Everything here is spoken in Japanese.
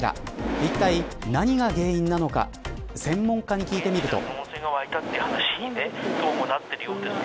いったい何が原因なのか専門家に聞いてみると。